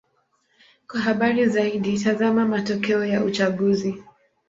Kwa habari zaidi: tazama matokeo ya uchaguzi.